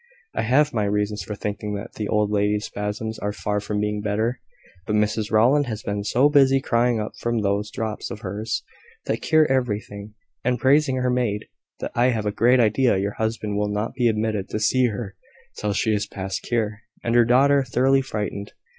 I have my reasons for thinking that the old lady's spasms are far from being better. But Mrs Rowland has been so busy crying up those drops of hers, that cure everything, and praising her maid, that I have a great idea your husband will not be admitted to see her till she is past cure, and her daughter thoroughly frightened.